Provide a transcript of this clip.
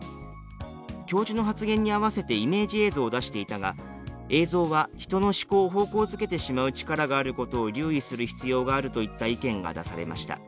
「教授の発言に合わせてイメージ映像を出していたが映像は人の思考を方向づけてしまう力があることを留意する必要がある」といった意見が出されました。